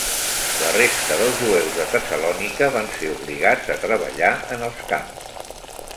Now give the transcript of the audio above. La resta dels jueus de Tessalònica van ser obligats a treballar en els camps.